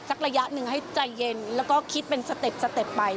ระยะหนึ่งให้ใจเย็นแล้วก็คิดเป็นสเต็ปสเต็ปไป